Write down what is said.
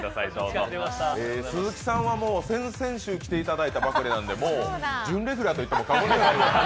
鈴木さんは先々週来ていただいたばかりなので、準レギュラーと言っても過言ではない。